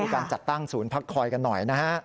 การจัดตั้งศูนย์พักคอยกันหน่อยนะฮะ